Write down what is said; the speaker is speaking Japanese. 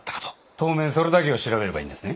当面それだけを調べればいいんですね。